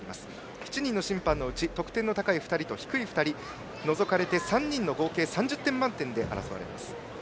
７人の審判のうち得点の高い２人と低い２人が除かれて３人の合計３０点満点で争われます。